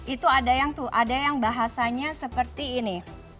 itu ada yang tuh ada yang bahasanya seperti ini